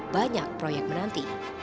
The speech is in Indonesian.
banyak proyek menanti